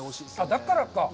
だからか。